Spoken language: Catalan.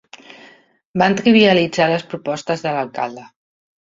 Van trivialitzar les propostes de l'alcalde.